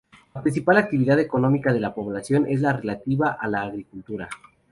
La principal actividad económica de la población es la relativa a la agricultura.